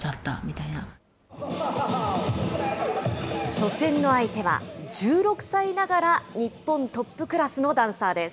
初戦の相手は１６歳ながら日本トップクラスのダンサーです。